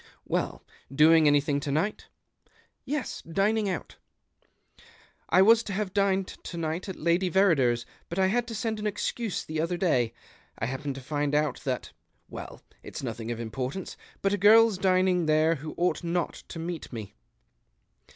"Well, doing anything to night? "" Yes, dining out." " I was to have dined to night at Lady Verrider's. But I had to send an excuse the other day, I happened to find out that — well, it's nothing of importance, but a girl's dinino; there who ouo; ht not to meet me."